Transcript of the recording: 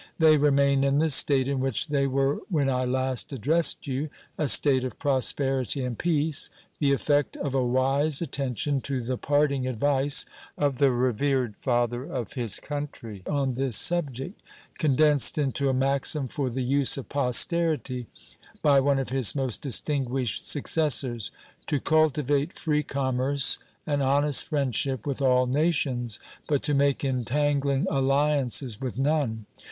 They remain in the state in which they were when I last addressed you a state of prosperity and peace, the effect of a wise attention to the parting advice of the revered Father of his Country on this subject, condensed into a maxim for the use of posterity by one of his most distinguished successors to cultivate free commerce and honest friendship with all nations, but to make entangling alliances with none.